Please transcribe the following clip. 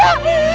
satu sampai dua